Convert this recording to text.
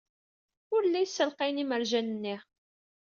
Ur llin ssalqayen imerjan-nni.